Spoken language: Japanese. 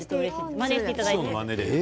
まねしていただいて。